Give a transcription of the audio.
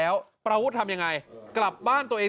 สวยสวยสวยสวยสวยสวยสวยสวย